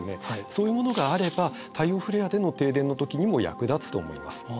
そういうものがあれば太陽フレアでの停電の時にも役立つと思います。